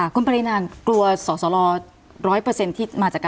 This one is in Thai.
คุณปรินานกลัวสรสรรอร์๑๐๐ที่มาจากการเลือกตั้งหรอคะ